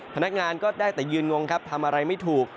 พนักงานก็ได้แต่ยืนงงครับทำอะไรไม่ถูก